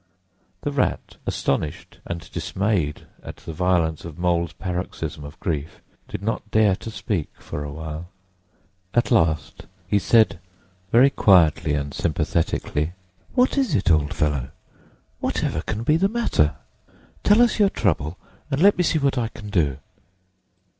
The Rat, astonished and dismayed at the violence of Mole's paroxysm of grief, did not dare to speak for a while. At last he said, very quietly and sympathetically, "What is it, old fellow? Whatever can be the matter? Tell us your trouble, and let me see what I can do."